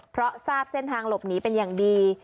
เพราะทราบเส้นทางหลบหนีเป็นอย่างดี